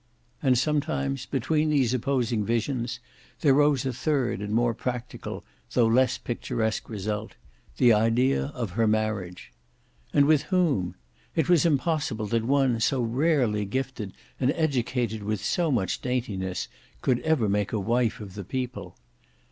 And sometimes between these opposing visions, there rose a third and more practical, though less picturesque result, the idea of her marriage. And with whom? It was impossible that one so rarely gifted and educated with so much daintiness, could ever make a wife of the people.